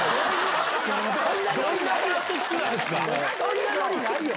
そんなノリないよ！